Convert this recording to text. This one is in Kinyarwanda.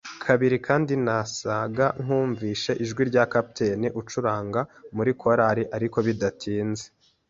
kabiri, kandi nasaga nkunvise ijwi rya capitaine ucuranga muri korari. Ariko bidatinze